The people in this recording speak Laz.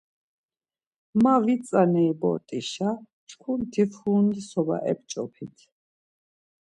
Ma vit̆ tzaneri bort̆işa çkuti furunli soba ep̆ç̌opit.